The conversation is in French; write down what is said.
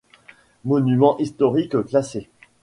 Monument historique classé.